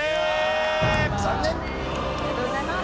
ありがとうございます。